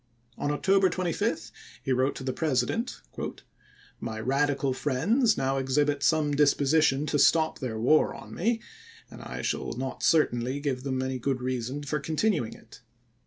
On October 25 he wrote ims. to the President :" My Radical friends now ex hibit some disposition to stop their war upon me, and I shall not certainly give them any good rea son for continuing it.